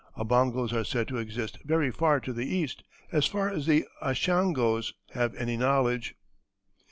Obongos are said to exist very far to the east, as far as the Ashangos have any knowledge."